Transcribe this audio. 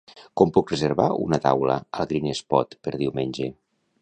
Com puc reservar una taula al Green Spot per diumenge?